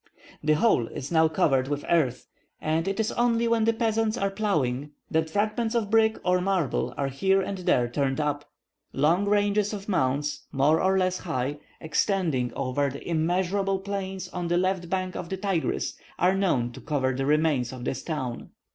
The whole is now covered with earth, and it is only when the peasants are ploughing, that fragments of brick or marble are here and there turned up. Long ranges of mounds, more or less high, extending over the immeasurable plain on the left bank of the Tigris, are known to cover the remains of this town.